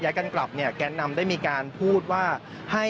มาดูบรรจากาศมาดูความเคลื่อนไหวที่บริเวณหน้าสูตรการค้า